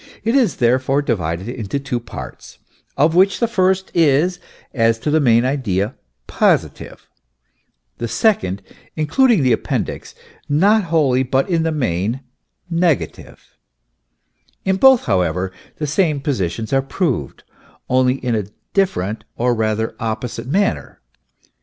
It is therefore divided into two parts, of which the first is, as to its main idea, positive, the second, including the appendix, not wholly but in the main, negative; in both, however, the same positions are proved, only in a different or rather opposite manner.